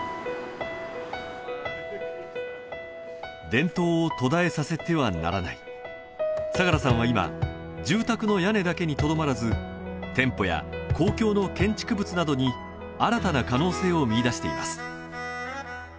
伝統を途絶えさせてはならない相良さんは今住宅の屋根だけにとどまらず店舗や公共の建築物などに新たな可能性を見いだしています